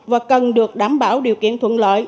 và cần được đảm bảo điều kiện thuận lợi